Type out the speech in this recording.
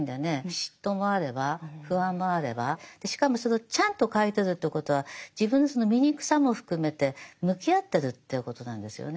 嫉妬もあれば不安もあればしかもそれをちゃんと書いてるということは自分のその醜さも含めて向き合ってるっていうことなんですよね。